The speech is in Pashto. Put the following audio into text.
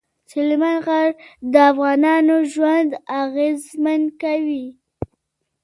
سلیمان غر د افغانانو ژوند اغېزمن کوي.